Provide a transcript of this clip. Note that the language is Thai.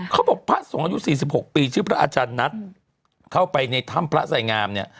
เขาบอกพระสองอายุ๔๖ปีชื่อพระอาจารย์นัดเข้าไปในถ้ำพระสายงาม